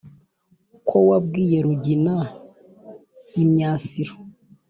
Ko wabwiye Rugina* imyasiro*.